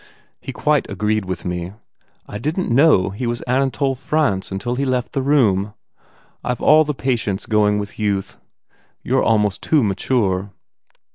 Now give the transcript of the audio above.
He quite agreed with me. I didn t know he was Anatole France until he left the room. I ve all the patience going with youth. You re almost too mature."